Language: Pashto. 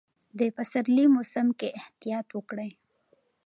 د پسرلي موسم کې احتیاط وکړئ.